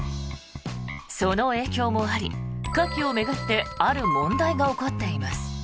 その影響もあり、カキを巡ってある問題が起こっています。